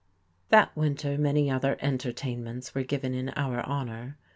That winter many other entertainments were given in our honour.